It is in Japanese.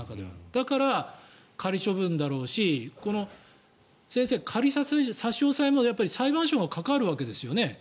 だから、仮処分だろうし先生、仮差し押さえも裁判所が関わるわけですよね。